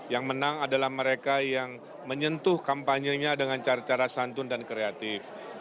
yang menang adalah mereka yang menyentuh kampanye nya dengan cara cara santun dan kreatif